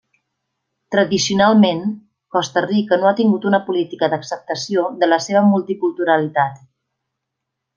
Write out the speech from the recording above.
Tradicionalment, Costa Rica no ha tingut una política d'acceptació de la seva multiculturalitat.